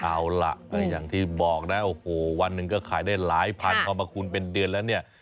เอาล่ะก็อย่างที่บอกนะโอ้โหวันหนึ่งก็ขายได้หลายพันพอมาคูณเป็นเดือนแล้วเนี่ย